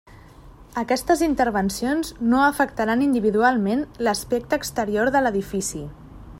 Aquestes intervencions, no afectaran individualment l'aspecte exterior de l'edifici.